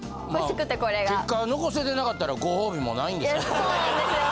結果残せてなかったらご褒美もないんですけど。